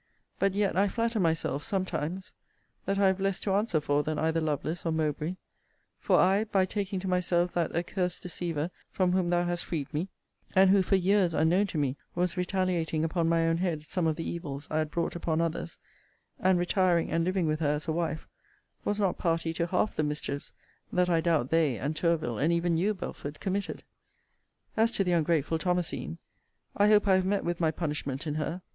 But yet, I flatter myself, sometimes, that I have less to answer for than either Lovelace or Mowbray; for I, by taking to myself that accursed deceiver from whom thou hast freed me, (and who, for years, unknown to me, was retaliating upon my own head some of the evils I had brought upon others,) and retiring, and living with her as a wife, was not party to half the mischiefs, that I doubt they, and Tourville, and even you, Belford, committed. As to the ungrateful Thomasine, I hope I have met with my punishment in her.